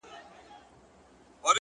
دده مخ د نمکينو اوبو ډنډ سي،